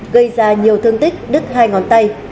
gây ra nhiều thương tích đứt hai ngón tay